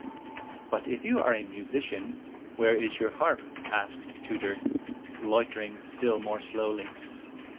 "But if you are a musician, where is your harp?" asked Tudur, loitering still more slowly.